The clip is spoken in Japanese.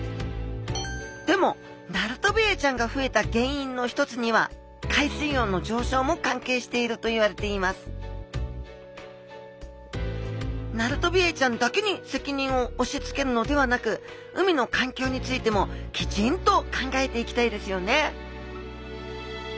でもナルトビエイちゃんが増えた原因の一つには海水温の上昇も関係しているといわれていますナルトビエイちゃんだけに責任をおしつけるのではなく海のかんきょうについてもきちんと考えていきたいですよね